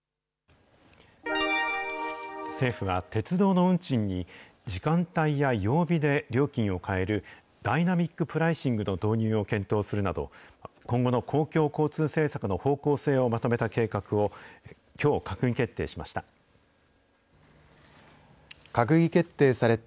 政府は、鉄道の運賃に時間帯や曜日で料金を変えるダイナミックプライシングの導入を検討するなど、今後の公共交通政策の方向性をまとめた計画をきょう閣議決定しました。